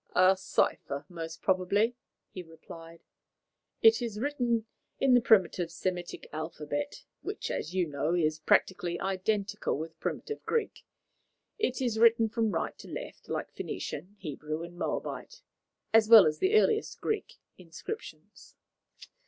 "A cipher, most probably," he replied. "It is written in the primitive Semitic alphabet, which, as you know, is practically identical with primitive Greek. It is written from right to left, like the Phoenician, Hebrew, and Moabite, as well as the earliest Greek, inscriptions.